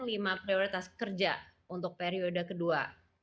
lima prioritas kerja untuk periode kedua